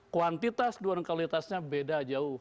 kuantitas dua nengkalitasnya beda jauh